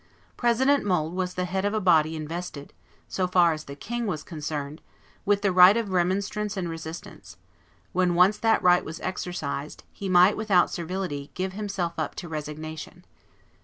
President Mole was but the head of a body invested, so far as the king was concerned, with the right of remonstrance and resistance; when once that right was exercised, he might, without servility, give himself up to resignation.